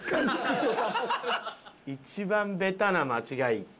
一番ベタな間違いかな？